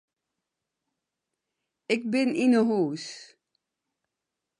Ik bin yn 'e hûs.